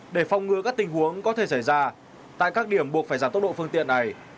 để phòng ngừa các tình huống có thể xảy ra tại các điểm buộc phải giảm tốc độ phương tiện này